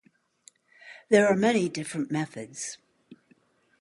There are many different methods.